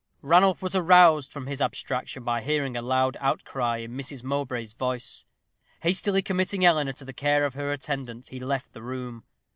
Ranulph was aroused from his abstraction by hearing a loud outcry in Mrs. Mowbray's voice. Hastily committing Eleanor to the care of her attendant, he left the room.